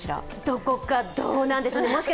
どこか、どうなんでしょうね。